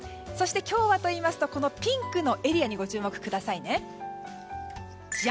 そして今日はといいますとピンクのエリアにご注目ください。